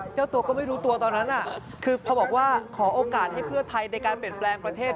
เจ้าตัวก็ไม่รู้ตัวตอนนั้นคือพอบอกว่าขอโอกาสให้เพื่อไทยในการเปลี่ยนแปลงประเทศ